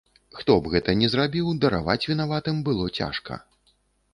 Хто б гэта ні зрабіў, дараваць вінаватым было цяжка.